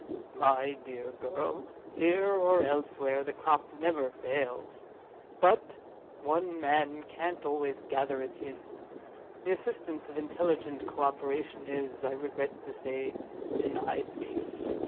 "My dear girl, here or elsewhere, the crop never fails—but one man can't always gather it in. The assistance of intelligent co operation is, I regret to say, denied me.